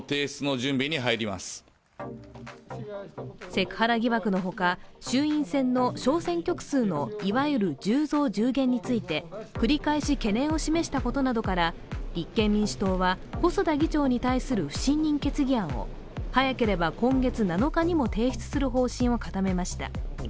セクハラ疑惑のほか衆院選の小選挙区数のいわゆる１０増１０減について繰り返し懸念を示したことなどから、立憲民主党は、細田議長に対する不信任決議案を早ければ今月７日にも提出する方針を固めました。